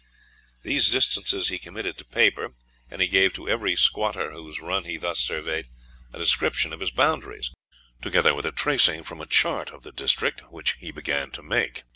These distances he committed to paper, and he gave to every squatter whose run he thus surveyed a description of his boundaries, together with a tracing from a chart of the district, which he began to make.